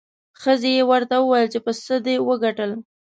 ښځې یې ورته وویل چې په څه دې وګټل؟